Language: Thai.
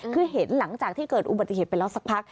คือเห็นหลังจากที่เกิดอุบัติเหตุไปแล้วสักพัก